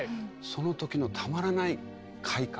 その時のたまらない快感？